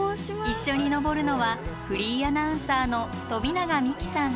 一緒に登るのはフリーアナウンサーの富永美樹さん。